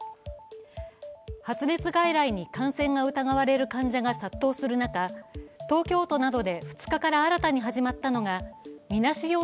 発熱外来に感染が疑われる患者が殺到する中、東京都などで２日から新たに始まったのだみなし